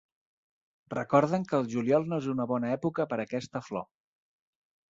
Recorden que el juliol no és una bona època per a aquesta flor.